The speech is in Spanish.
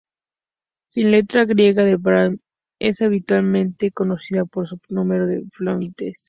Sin letra griega de Bayer, es habitualmente conocida por su número de Flamsteed.